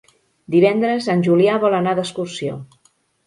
Divendres en Julià vol anar d'excursió.